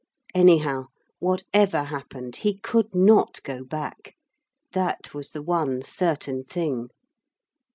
Anyhow, whatever happened, he could not go back. That was the one certain thing.